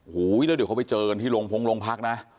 โหแล้วเดี๋ยวเขาไปเจอกันที่โรงพงศ์โรงพักษณ์นะ